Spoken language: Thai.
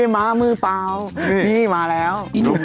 อ้าวก้าวมื้อเปล่านี่มาแล้ว